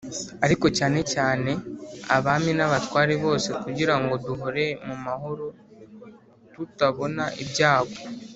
ariko cyane cyane abami n’abatware bose kugira ngo duhore mu mahoro tutabona ibyago